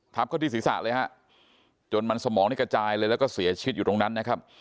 เข้าที่ศีรษะเลยฮะจนมันสมองนี่กระจายเลยแล้วก็เสียชีวิตอยู่ตรงนั้นนะครับ